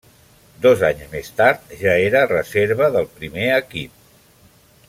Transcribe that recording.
Dos anys més tard ja era reserva del primer equip.